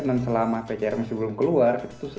dan selama pcr masih belum keluar